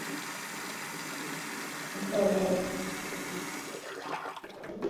Mkoa una visiwa vikubwa katika Ziwa Victoria